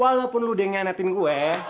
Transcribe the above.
walaupun lu denganatin gue